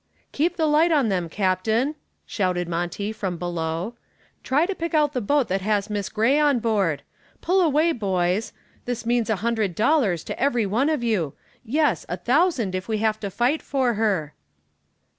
"Keep the light on them, captain," shouted Monty from below. "Try to pick out the boat that has Miss Gray on board. Pull away, boys! This means a hundred dollars to every one of you yes, a thousand if we have to fight for her!"